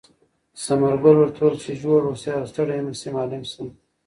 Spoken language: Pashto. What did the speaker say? ثمر ګل ورته وویل چې جوړ اوسې او ستړی مه شې معلم صاحب.